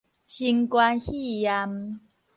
新冠肺炎